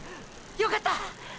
よかった！！